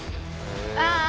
ああ！